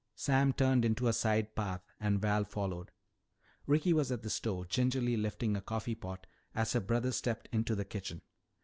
Sam turned into a side path and Val followed. Ricky was at the stove gingerly shifting a coffee pot as her brother stepped into the kitchen.